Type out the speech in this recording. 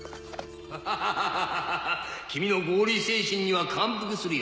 ハハハ君の合理精神には感服するよ。